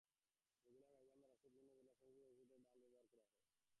বগুড়া, গাইবান্ধা, রাজশাহীসহ বিভিন্ন জেলায় সহিংসতায় শিশুদের ঢাল হিসেবে ব্যবহার করা হয়।